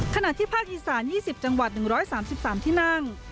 ขณะที่ภาคอีสานยี่สิบจังหวัดหนึ่งร้อยสามสิบสามที่นั่ง